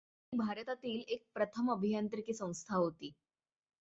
ती भारतातील एक प्रथम अभियांत्रीकी संस्था होती.